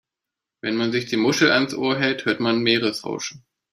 Wenn man sich die Muschel ans Ohr hält, hört man Meeresrauschen.